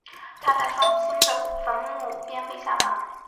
她在双亲的墓旁被下葬。